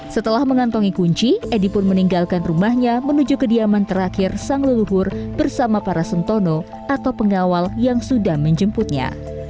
setelah mengantongi kunci edi pun meninggalkan rumahnya menuju kediaman terakhir sang leluhur bersama para sentono atau pengawal yang sudah menjemputnya